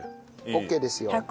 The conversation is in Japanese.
オッケーですよ。